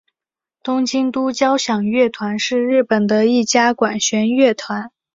东京都交响乐团是日本的一家管弦乐团。